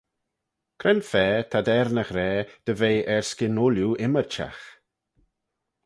Cre'n fa t'ad er ny ghra dy ve erskyn ooilley ymmyrçhagh?